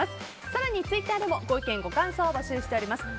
更にツイッターでもご意見、ご感想をお待ちしています。